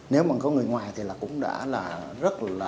nếu mà có người ngoài thì cũng đã là rất là thân ở bên ngoài